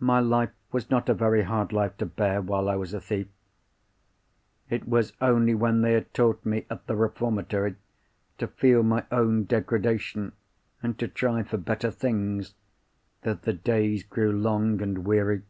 "My life was not a very hard life to bear, while I was a thief. It was only when they had taught me at the reformatory to feel my own degradation, and to try for better things, that the days grew long and weary.